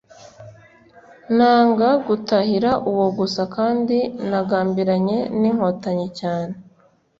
Nanga gutahira uwo gusa kandi nagambiranye n'inkotanyi cyane.